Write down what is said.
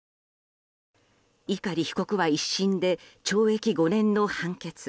碇被告は１審で懲役５年の判決。